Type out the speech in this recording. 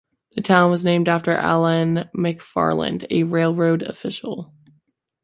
The town was named after Alan McFarland, a railroad official.